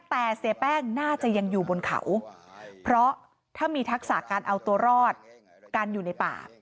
แต่เสียแป้งน่าจะยังอยู่บนเขาเพราะถ้ามีทักษะการเอาตัวรอดการอยู่ในป่า